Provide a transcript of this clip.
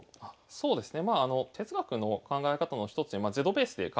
そうですね。